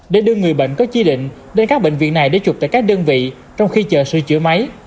để đưa người bệnh có chi định đến các bệnh viện này để chụp tại các đơn vị trong khi chờ sửa chữa máy